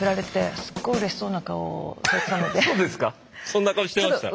そんな顔してました？